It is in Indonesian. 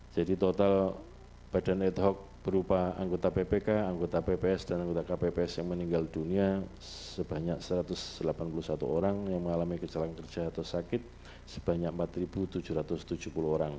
jadi total badan network berupa anggota ppk anggota pps dan anggota kpps yang meninggal dunia sebanyak satu ratus delapan puluh satu orang yang mengalami kecelakaan kerja atau sakit sebanyak empat ribu tujuh ratus tujuh puluh orang